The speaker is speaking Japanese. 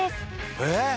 えっ！？